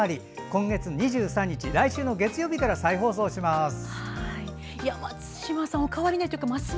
今月２３日、来週月曜日から再放送します。